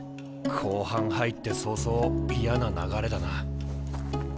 後半入って早々嫌な流れだな。